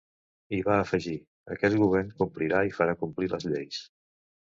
I va afegir: Aquest govern complirà i farà complir les lleis.